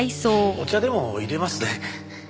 お茶でも淹れますね。